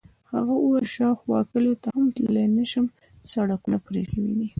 هغه وویل: شاوخوا کلیو ته هم تللی نه شم، سړکونه پرې شوي دي.